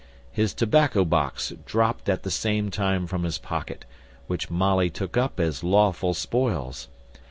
His tobacco box dropped at the same time from his pocket, which Molly took up as lawful spoils.